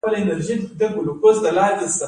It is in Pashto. د زړه د درد لپاره باید څه وکړم؟